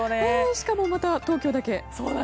しかも、また東京だけ。